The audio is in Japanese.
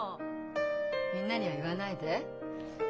みんなには言わないで。